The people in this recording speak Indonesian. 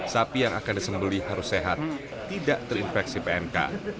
sapi yang akan disembeli harus sehat tidak terinfeksi pmk